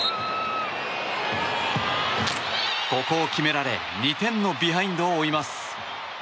ここを決められ２点のビハインドを追います。